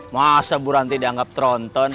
masa bu ranti dianggap tronton